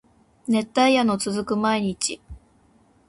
熱帯夜の続く毎日